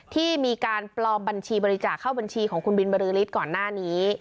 ที่มีการปลอมบัญชีบริจาคเข้าบัญชีของคุณบินบรือฤทธิ์ก่อนหน้านี้